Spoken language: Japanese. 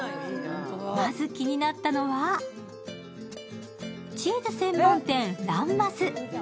まず気になったのはチーズ専門店ランマス。